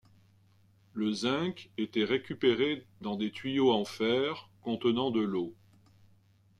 Le zinc était récupéré dans des tuyaux en fer contenant de l'eau.